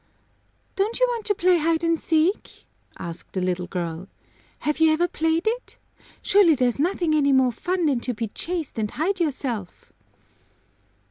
"Don't you want to play hide and seek?" asked the little girl. "Have you ever played it? Surely there's nothing any more fun than to be chased and hide yourself?"